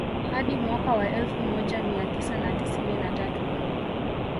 Hadi mwaka wa elfu moja mia tisa na tisini na tatu